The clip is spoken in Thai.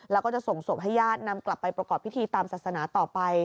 แล้วก็จะส่งศพให้ญาตินำกลับไปประกอบพิธีตามศาสนาต่อไป